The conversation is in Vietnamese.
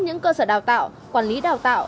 những cơ sở đào tạo quản lý đào tạo